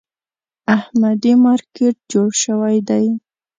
احمدي مارکېټ جوړ شوی دی.